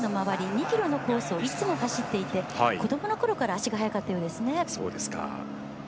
２ｋｍのコースをいつも走っていて子どものころから足が速かったようですね。